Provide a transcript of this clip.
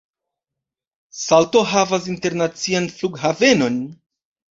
Salto havas internacian flughavenon.